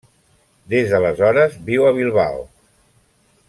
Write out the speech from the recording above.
Des d'aleshores viu a Bilbao.